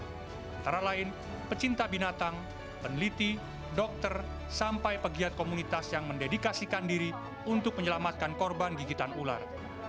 antara lain pecinta binatang peneliti dokter sampai pegiat komunitas yang mendedikasikan diri untuk menyelamatkan korban gigitan ular